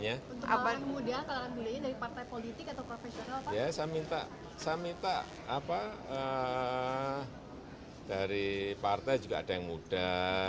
ya saya minta saya minta apa dari partai juga ada yang muda